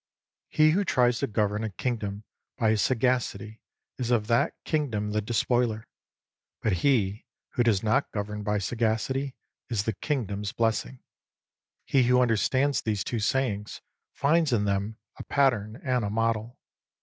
He who tries to govern a kingdom by his sagacity is of that kingdom the despoiler ; but he who does not govern by sagacity is the kingdom's blessing. He who understands these two sayings finds in them a pattern and a model.